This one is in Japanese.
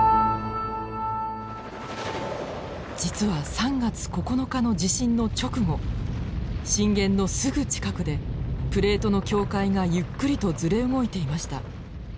実は３月９日の地震の直後震源のすぐ近くでプレートの境界がゆっくりとずれ動いていました。